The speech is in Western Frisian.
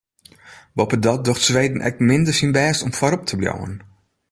Boppedat docht Sweden ek minder syn bêst om foarop te bliuwen.